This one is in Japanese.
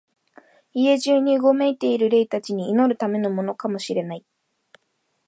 家中にうごめいている霊たちに祈るためのものかも知れない、